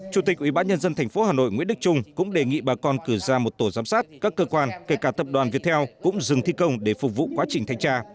chủ tịch ủy ban nhân dân thành phố hà nội nguyễn đức trung cũng đề nghị bà con cử ra một tổ giám sát các cơ quan kể cả tập đoàn viên theo cũng dừng thi công để phục vụ quá trình thanh tra